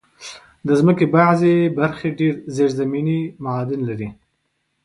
د مځکې بعضي برخې ډېر زېرزمینې معادن لري.